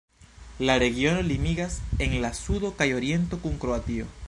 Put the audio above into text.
La regiono limigas en la sudo kaj oriento kun Kroatio.